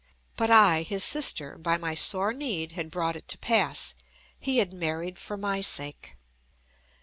But I, his sister, by my sore need bad brought it to pass. He had married for my sake.